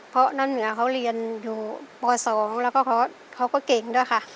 เพราะน้ำเหนือเขาเรียนอยู่ป๒แล้วก็เขาก็เก่งด้วยค่ะ